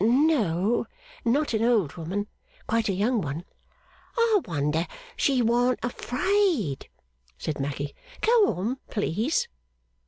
'No, not an old woman. Quite a young one.' 'I wonder she warn't afraid,' said Maggy. 'Go on, please.